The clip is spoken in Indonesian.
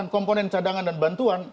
komponen cadangan dan bantuan